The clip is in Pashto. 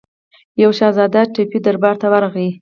یوه شهزاده ټیپو دربار ته ورغی.